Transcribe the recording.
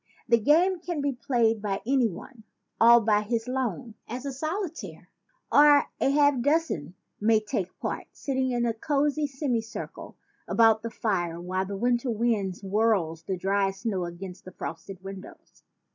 The game can be played by any one, "all by his lone," as a soli taire; or a half dozen may take part, sitting in a cozy semi circle about the wood fire while the winter wind swirls the dry snow against the frosted windows.